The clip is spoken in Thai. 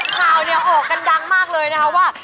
ข่าวเนี่ยออกกันดังมากเลยนะคะว่า